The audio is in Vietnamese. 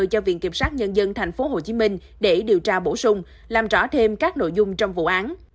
cho viện kiểm sát nhân dân tp hcm để điều tra bổ sung làm rõ thêm các nội dung trong vụ án